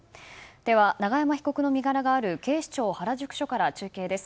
では永山被告の身柄がある警視庁原宿署から中継です。